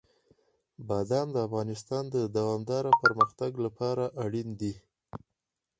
بادام د افغانستان د دوامداره پرمختګ لپاره اړین دي.